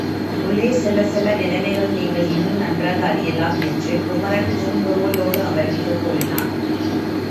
உள்ளே செல்லச் செல்ல நிலைமைகளை நீங்கள் இன்னும் நன்றாக அறியலாம் என்று குமரன் புன்முறுவலோடு அவர்களுக்குக் கூறினான்!